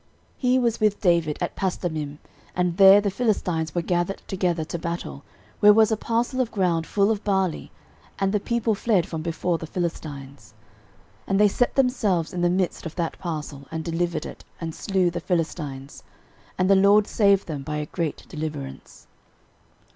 13:011:013 He was with David at Pasdammim, and there the Philistines were gathered together to battle, where was a parcel of ground full of barley; and the people fled from before the Philistines. 13:011:014 And they set themselves in the midst of that parcel, and delivered it, and slew the Philistines; and the LORD saved them by a great deliverance.